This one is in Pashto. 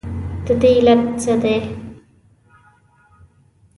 ددې علت څه دی؟